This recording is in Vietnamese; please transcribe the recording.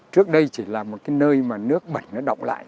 trước đây chỉ là một cái nơi mà nước bẩn nó động lại